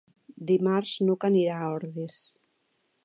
Dimarts n'Hug anirà a Ordis.